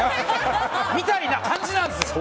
みたいな感じなんです！